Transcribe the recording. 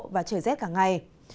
và trời z cả ngày